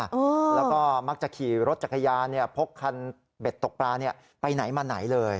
แล้วก็มักจะขี่รถจักรยานเนี่ยพกคันเบ็ดตกปลาเนี่ยไปไหนมาไหนเลย